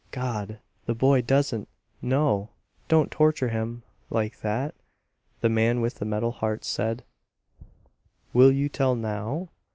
"God the boy doesn't know! Don't torture him like that!" The man with the metal heart said: "Will you tell now?"